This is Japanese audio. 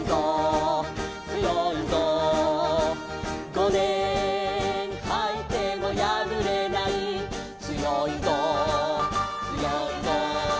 「ごねんはいてもやぶれない」「つよいぞつよいぞ」